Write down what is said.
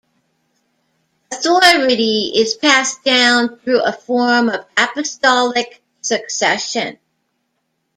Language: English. Authority is passed down through a form of apostolic succession.